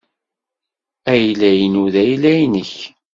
Ayla-inu d ayla-nnek.